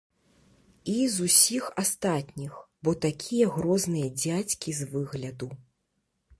І з усіх астатніх, бо такія грозныя дзядзькі з выгляду.